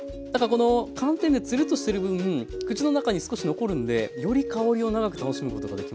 この寒天がツルッとしてる分口の中に少し残るんでより香りを長く楽しむことができますね。